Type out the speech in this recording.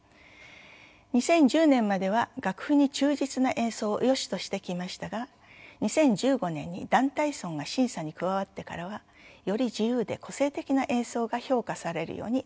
２０１０年までは楽譜に忠実な演奏をよしとしてきましたが２０１５年にダン・タイ・ソンが審査に加わってからはより自由で個性的な演奏が評価されるようになりました。